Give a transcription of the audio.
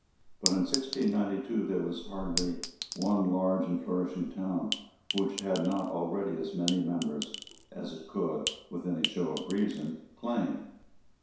But in 1692 there was hardly one large and flourishing town which had not already as many members as it could, with any show of reason, claim.